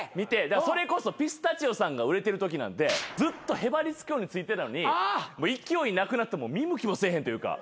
それこそピスタチオさんが売れてるときなんてずっとへばりつくようについてたのに勢いなくなって見向きもせえへんというか。